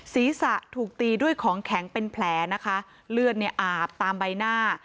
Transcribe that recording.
ศีรษะถูกตีด้วยของแข็งเป็นแผลนะคะเลือดเนี่ยอาบตามใบหน้า